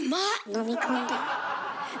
飲み込んだ。